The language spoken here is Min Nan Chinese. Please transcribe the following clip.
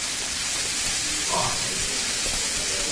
蹛過